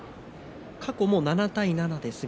過去７対７ですね